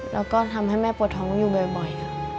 แล้วก็ทำให้แม่ปวดท้องอยู่บ่อยค่ะ